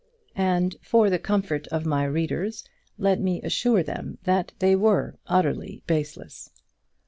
And, for the comfort of my readers, let me assure them that they were utterly baseless.